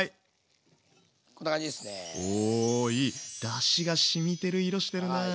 だしがしみてる色してるなあ。